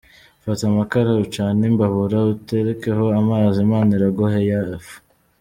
Fata amakara ucane imbabura uterekeho amazi, Imana iraguha ay’ifu”.